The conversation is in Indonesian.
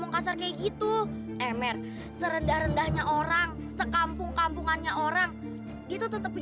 lu ngapain disini pake nyamit nyamit sekali lagi